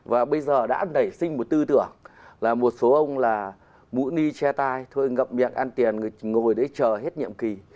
và bây giờ đã nảy sinh một tư tưởng là một số ông là mũ ni che tay thôi ngậm miệng ăn tiền ngồi để chờ hết nhiệm kỳ